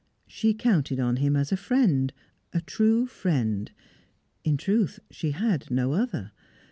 She counted on him as a friend, a true friend; in truth, she had no other.